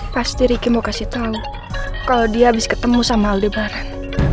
pasti riki mau kasih tau kalo dia abis ketemu sama aldebaran